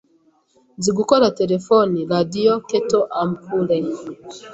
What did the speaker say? Nzi gukora Telefoni, Radio, Keto, Ampure,